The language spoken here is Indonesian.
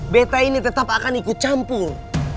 beta ini tetap akan ikut campur